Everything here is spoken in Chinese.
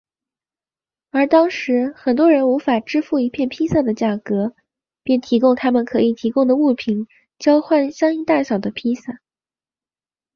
而当时很多人无法支付一片披萨的价格便提供他们可以提供的物品交换相应大小的披萨。